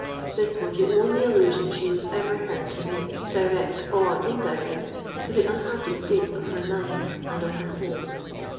This was the only allusion she was ever heard to make, direct or indirect, to the unhappy state of her mind and of her home.